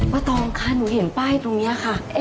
ตองค่ะหนูเห็นป้ายตรงนี้ค่ะ